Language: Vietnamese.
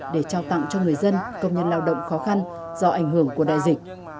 để trao tặng cho người dân công nhân lao động khó khăn do ảnh hưởng của đại dịch